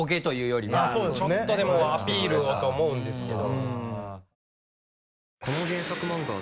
ちょっとでもアピールをと思うんですけど。